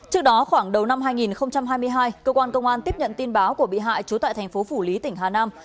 trước đó khoảng đầu năm hai nghìn hai mươi hai cơ quan công an tiếp nhận tin báo của bị hại trú tại thành phố phủ lý tỉnh hà nam